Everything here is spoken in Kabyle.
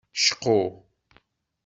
Cqu.